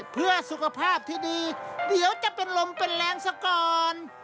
เพื่อสุขภาพที่ดีเดี๋ยวจะเป็นลมเป็นแรงซะก่อน